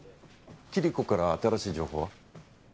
キリコから新しい情報は？